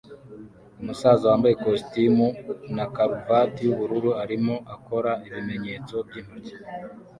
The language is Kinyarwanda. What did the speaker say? Umusaza wambaye ikositimu na karuvati yubururu arimo akora ibimenyetso byintoki